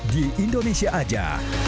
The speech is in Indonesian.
di indonesia aja